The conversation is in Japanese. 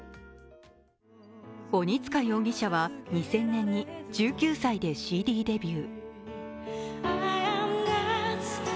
鬼束容疑者は２０００年に１９歳でＣＤデビュー。